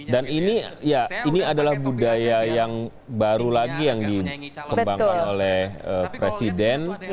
dan ini adalah budaya yang baru lagi yang dikembangkan oleh presiden